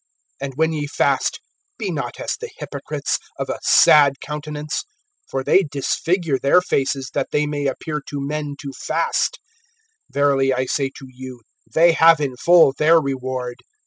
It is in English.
(16)And when ye fast, be not as the hypocrites, of a sad countenance; for they disfigure their faces, that they may appear to men to fast. Verily I say to you, they have in full their reward.